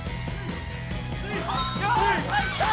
よし入った！